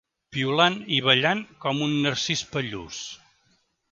Piulant i ballant com un Narcís pallús.